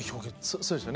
そうですよね。